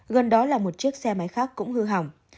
gần đó là một chiếc xe máy khác cũng hư hỏng